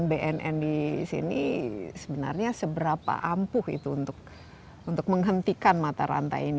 bnn di sini sebenarnya seberapa ampuh itu untuk menghentikan mata rantai ini